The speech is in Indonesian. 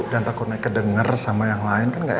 dan takut naik kedenger sama yang lain kan enggak enak